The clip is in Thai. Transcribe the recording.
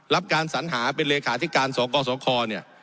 รับการสัญหาเป็นเลขาธิการสกสคเนี่ย